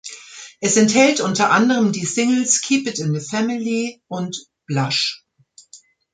Es enthält unter anderem die Singles "Keep It In The Family" und "Blush".